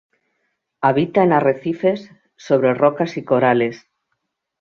Habita en arrecifes, sobre rocas y corales.